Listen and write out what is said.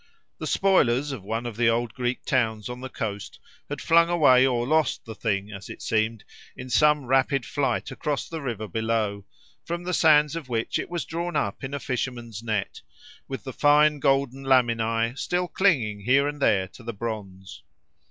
The spoilers of one of the old Greek towns on the coast had flung away or lost the thing, as it seemed, in some rapid flight across the river below, from the sands of which it was drawn up in a fisherman's net, with the fine golden laminae still clinging here and there to the bronze.